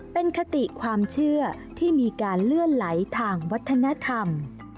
เป็นคติความเชื่อที่มีการเลื่อนไหลทางวัฒนธรรม